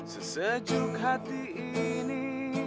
sesejuk hati ini